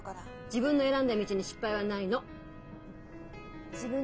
「自分の選んだ道に失敗はない」か。